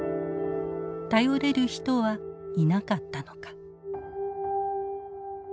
頼れる人はいなかったのか。